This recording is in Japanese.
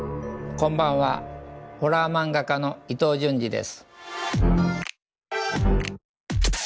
こんばんはホラー漫画家の伊藤潤二です。